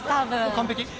完璧？